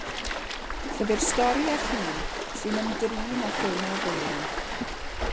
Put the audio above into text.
Llyfr stori a llun sy'n ymdrin â thema bwlian.